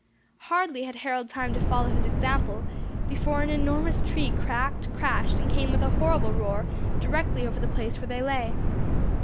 Hardly had Harold time to follow his example, before an enormous tree cracked, crashed, and came with a horrible roar, directly over the place where they lay.